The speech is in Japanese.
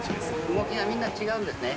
動きがみんな違うんですね。